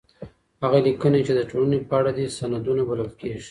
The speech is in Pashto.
هغه ليکنې چي د ټولني په اړه دي، سندونه بلل کيږي.